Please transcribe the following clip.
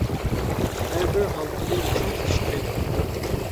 ھەر بىر ھالقىنى چىڭ تۇتۇش كېرەك.